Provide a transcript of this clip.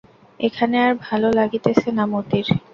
এখানে আর ভালো লাগিতেছে না মতির।